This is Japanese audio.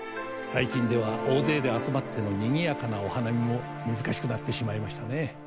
最近では大勢で集まってのにぎやかなお花見も難しくなってしまいましたね。